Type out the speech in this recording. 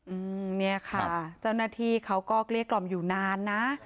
อืมเนี่ยค่ะเจ้าหน้าที่เขาก็เกลี้ยกล่อมอยู่นานนะ